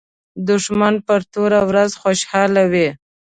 دښمن په توره ورځ خوشاله وي